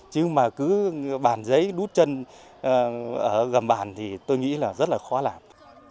chứ mà cứ bàn giấy đút chân ở gầm bàn thì tôi nghĩ là rất là khó làm